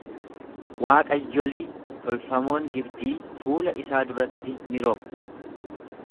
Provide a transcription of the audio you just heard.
Waaqayyolii tolfamoon Gibxii fuula isaa duratti ni rom'u.